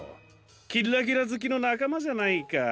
キッラキラずきのなかまじゃないか。